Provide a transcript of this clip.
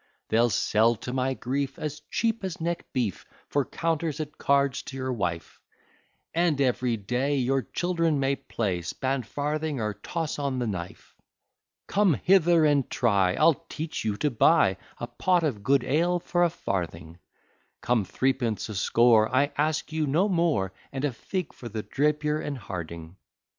They'll sell to my grief As cheap as neck beef, For counters at cards to your wife; And every day Your children may play Span farthing or toss on the knife. Come hither and try, I'll teach you to buy A pot of good ale for a farthing; Come, threepence a score, I ask you no more, And a fig for the Drapier and Harding.